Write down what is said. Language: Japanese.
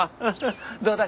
どうだ？